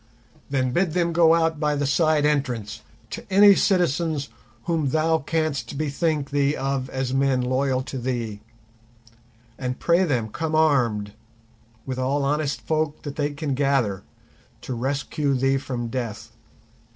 "Then bid them go out by the side entrance to any citizens whom thou canst bethink thee of as men loyal to thee, and pray them come armed, with all honest folk that they can gather, to rescue thee from death.